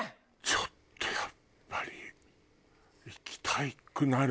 ちょっとやっぱり行きたくなる。